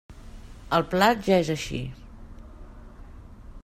El plat ja és així.